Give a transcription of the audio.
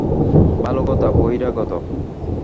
ভালো কথা, বহিরাগত।